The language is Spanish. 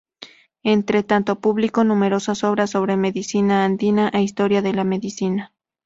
Entretanto publicó numerosas obras sobre medicina andina e historia de la medicina.